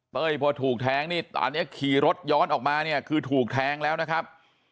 พอถูกแทงนี่ตอนนี้ขี่รถย้อนออกมาเนี่ยคือถูกแทงแล้วนะครับ